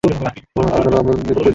আর আপনারা তো আমাদের নিকট প্রিয়ভাজন।